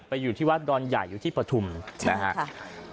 อยู่ที่วัดดอนใหญ่อยู่ที่ปฐุมนะครับ